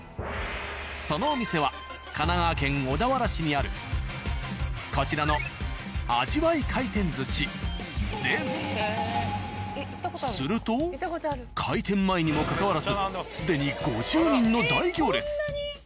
そのお店は神奈川県小田原市にあるこちらのすると開店前にもかかわらず既に５０人の大行列。